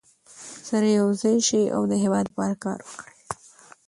سره یو شئ او د هېواد لپاره کار وکړئ.